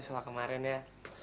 selama kemarin ya